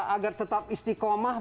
agar tetap istiqomah